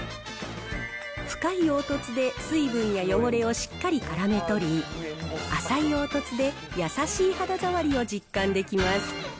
深い凹凸で水分や汚れをしっかり絡め取り、浅い凹凸で優しい肌触りを実感できます。